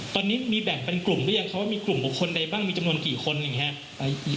ตอนนี้มีแบ่งเป็นกลุ่มหรือยังคะว่ามีกลุ่มบุคคลใดบ้างมีจำนวนกี่คนอย่างนี้ครับ